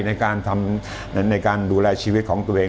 ในการดูแลชีวิตของตัวเอง